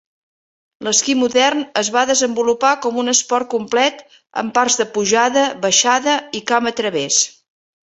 L'esquí modern es va desenvolupar com un esport complet amb parts de pujada, baixada i camp a través.